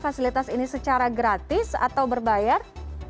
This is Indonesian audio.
fasilitas ini secara gratis atau berbayar